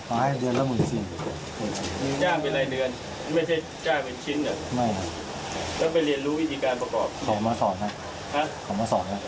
ไม่ใช่ภูมิไม่ใช่ขายครับ